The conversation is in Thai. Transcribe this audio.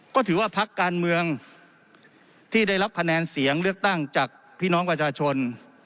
ก็ถือว่าพักการเมืองที่ได้รับคะแนนเสียงเลือกตั้งจากพี่น้องประชาชน